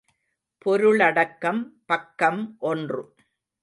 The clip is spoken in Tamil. பொருளடக்கம் பக்கம் ஒன்று.